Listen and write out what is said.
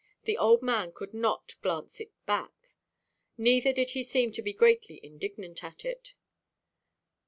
The old man could not glance it back; neither did he seem to be greatly indignant at it.